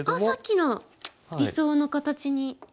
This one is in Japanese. あっさっきの理想の形に。